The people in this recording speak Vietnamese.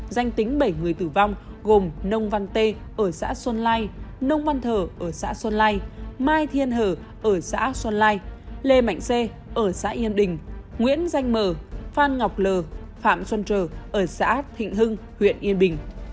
danh tính bảy người tử vong gồm nông văn tê ở xã xuân lai nông văn thở ở xã xuân lai mai thiên hờ ở xã xuân lai lê mạnh xê ở xã yên đình nguyễn danh mờ phan ngọc lờ phạm xuân trờ ở xã thịnh hưng huyện yên bình